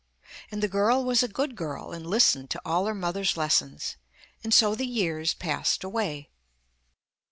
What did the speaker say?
And the girl was a good girl, and listened to all her mother's lessons, and so the years passed away.